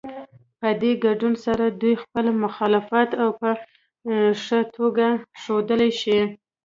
په دې ګډون سره دوی خپل مخالفت په ښه توګه ښودلی شي.